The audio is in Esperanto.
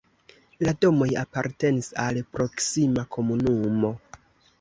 La domoj apartenis al proksima komunumo.